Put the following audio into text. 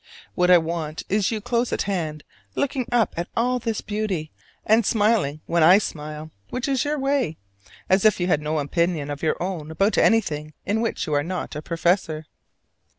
What I want is you close at hand looking up at all this beauty, and smiling when I smile, which is your way, as if you had no opinions of your own about anything in which you are not a professor.